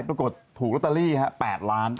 ถูกลอตเตอรี่๘ล้าน